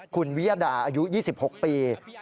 คุณวิยดาอายุ๒๖ปี